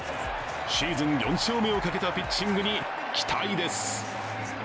シーズン４勝目をかけたピッチングに期待です。